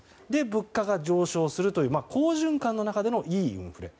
物価が上昇するという好循環の中での良いインフレ。